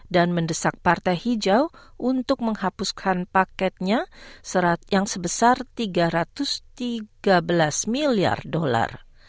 dan mendesak partai hijau untuk menghapuskan paketnya yang sebesar tiga ratus tiga belas miliar dolar